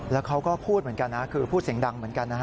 แล้วเขาก็พูดเหมือนกันนะคือพูดเสียงดังเหมือนกันนะฮะ